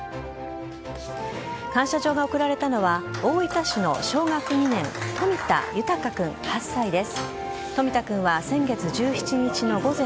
感謝状が贈られたのは大分市の小学２年冨田豊君、８歳です。